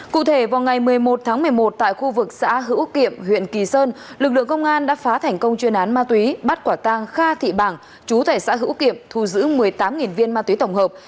cụ thể vào ngày một mươi một tháng một mươi một tại khu vực xã hữu kiệm huyện kỳ sơn lực lượng công an đã phá thành công chuyên án ma túy bắt quả tang kha thị bảng chú thẻ xã hữu kiệm thu giữ một mươi tám viên ma túy tổng hợp